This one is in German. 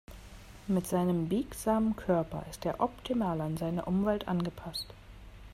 Mit seinem biegsamen Körper ist er optimal an seine Umwelt angepasst.